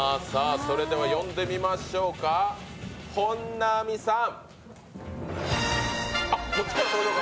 それでは呼んでみましょうか本並さん。